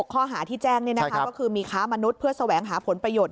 ข้อหาที่แจ้งก็คือมีค้ามนุษย์เพื่อแสวงหาผลประโยชน